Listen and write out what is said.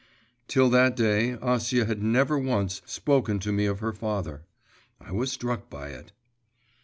Till that day Acia had never once spoken to me of her father. I was struck by it.